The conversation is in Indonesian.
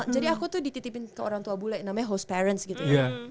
jadi aku tuh dititipin ke orang tua bule namanya host parents gitu ya